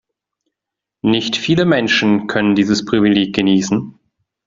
Nicht viele Menschen können dieses Privileg genießen.